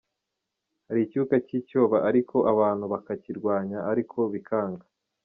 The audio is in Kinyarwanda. Hari icyuka cy’icyoba ariko abantu bakakirwanya ariko bikanga.